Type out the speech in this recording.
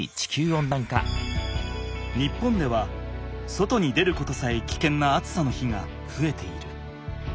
日本では外に出ることさえきけんな暑さの日がふえている。